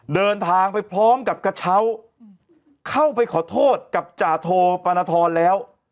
เดินทางไปพร้อมกับกระเช้าเข้าไปขอโทษกับจาโทปานทรแล้ว